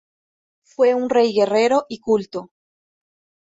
Fue un rey guerrero y culto.